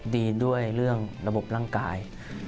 ดีด้วยเรื่องระบบร่างกาย